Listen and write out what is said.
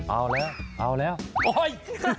เอาแล้วโอ๊ย